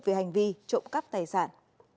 về hành vi trộm cắp tài sản